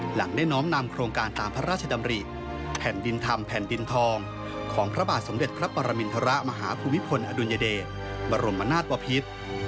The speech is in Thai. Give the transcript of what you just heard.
หลังได้น้อมนำโครงการตามพระราชดำริแผ่นดินธรรมแผ่นดินทองของพระบาทสมเด็จพระปรมินทรมาฮภูมิพลอดุลยเดชบรมนาศปภิษ